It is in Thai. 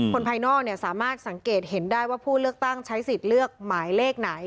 ภายนอกสามารถสังเกตเห็นได้ว่าผู้เลือกตั้งใช้สิทธิ์เลือกหมายเลขไหน